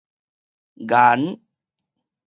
言